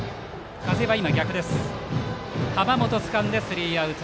濱本がつかんでスリーアウト。